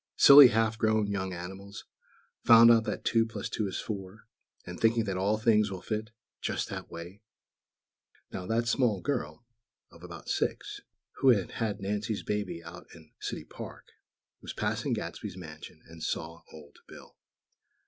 "Silly half grown young animals, found out that two plus two is four, and thinking that all things will fit, just that way!" Now that small girl, "of about six," who had had Nancy's baby out in City Park, was passing Gadsby's mansion, and saw Old Bill.